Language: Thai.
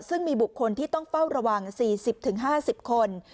ซึ่งมีบุคคลที่ต้องเฝ้าระวัง๔๐๕๐คน